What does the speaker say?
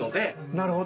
なるほど。